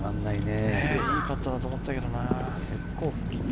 いいパットだと思ったけどな。